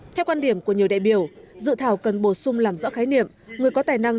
theo quan điểm của nhiều đại biểu dự thảo cần bổ sung làm rõ khái niệm người có tài năng